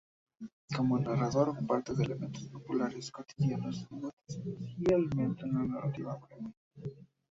Como narrador parte de elementos populares cotidianos y gusta especialmente de la narrativa breve.